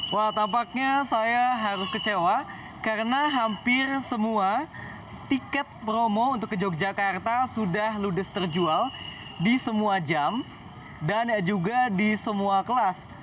wah tampaknya saya harus kecewa karena hampir semua tiket promo untuk ke yogyakarta sudah ludes terjual di semua jam dan juga di semua kelas